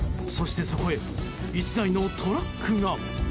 そして、そこへ１台のトラックが。